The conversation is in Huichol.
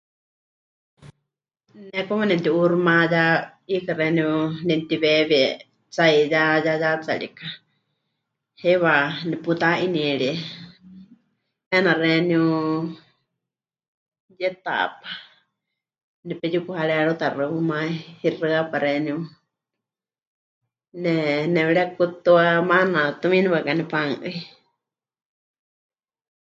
Ne como nemɨti'uuximayá 'iikɨ xeeníu nemɨtiweewie, tsaiyá ya yatsarika, heiwa neputa'inierie 'eena xeeníu Yetaápa nepeyukuharerutaxɨ humá, hixɨ́apa xeeníu, ne... nepɨrekútua maana, tumiini waɨká nepanu'ɨi.